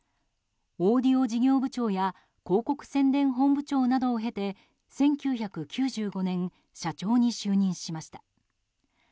オーディオ事業部長や広告宣伝本部長などを経て１９９５年社長に就任しました。